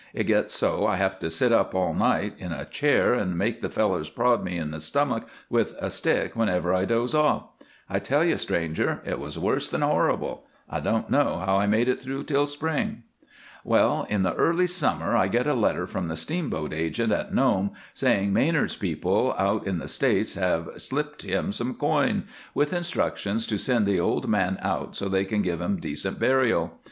It gets so I have to sit up all night in a chair and make the fellers prod me in the stomach with a stick whenever I doze off. I tell you, stranger, it was worse than horrible. I don't know how I made it through till spring. "Well, in the early summer I get a letter from the steamboat agent at Nome saying Manard's people out in the States have slipped him some coin, with instructions to send the old man out so they can give him decent burial.